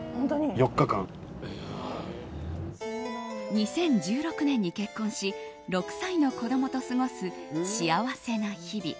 ２０１６年に結婚し６歳の子供と過ごす幸せな日々。